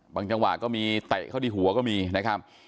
จังหวะก็มีเตะเข้าที่หัวก็มีนะครับ